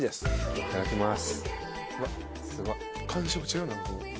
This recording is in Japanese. いただきます。